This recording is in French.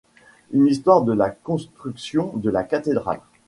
Une histoire de la construction de la cathédrale.